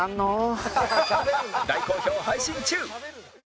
大好評配信中！